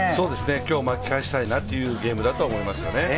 今日、巻き返したいなというゲームだと思いますね。